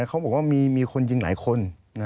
เขาบอกว่ามีคนยิงหลายคน